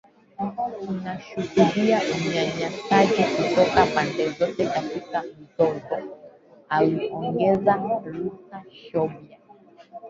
“Tunashuhudia unyanyasaji kutoka pande zote katika mzozo” aliongeza Rutashobya